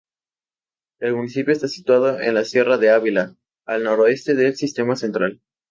El municipio está situado en la Sierra de Ávila, al noroeste del Sistema Central.